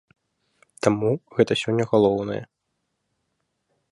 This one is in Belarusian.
Таму гэта сёння галоўнае.